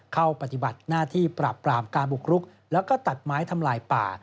ปฏิบัติหน้าที่ปราบปรามการบุกรุกแล้วก็ตัดไม้ทำลายป่า